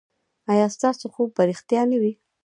ایا ستاسو خوب به ریښتیا نه وي؟